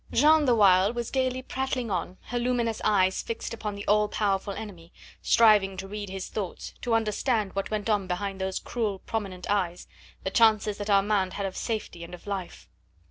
Jeanne the while was gaily prattling on, her luminous eyes fixed upon the all powerful enemy, striving to read his thoughts, to understand what went on behind those cruel, prominent eyes, the chances that Armand had of safety and of life.